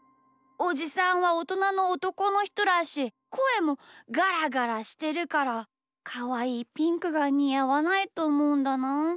おじさんはおとなのおとこのひとだしこえもガラガラしてるからかわいいピンクがにあわないとおもうんだなあ。